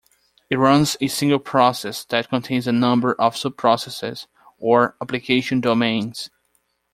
It runs a single process that contains a number of sub-processes, or application domains.